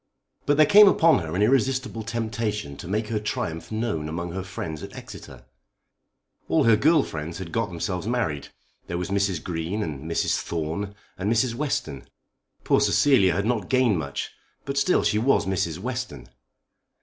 But there came upon her an irresistible temptation to make her triumph known among her friends at Exeter. All her girl friends had got themselves married. There was Mrs. Green, and Mrs. Thorne, and Mrs. Western. Poor Cecilia had not gained much, but still she was Mrs. Western.